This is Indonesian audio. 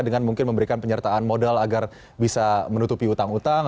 dengan mungkin memberikan penyertaan modal agar bisa menutupi utang utang